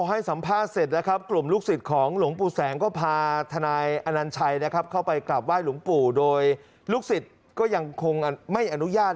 ได้เอ่ยตอบลูกศิษย์ว่าไม่เอาเรื่องหมอปลากับนักข่าวด้วย